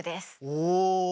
おお。